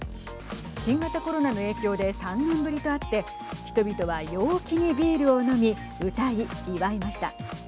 新型コロナの影響で３年ぶりとあって人々は陽気にビールを飲み歌い、祝いました。